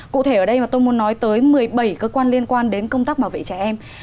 cụ thể ở đây mà tôi muốn nói tới một mươi bảy cơ quan liên quan đến công tác bảo vệ trẻ em